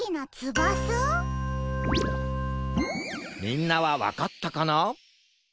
みんなはわかったかな？